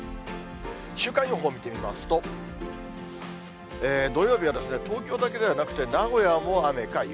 週間予報を見てみますと、土曜日は東京だけではなくて、名古屋も雨か雪。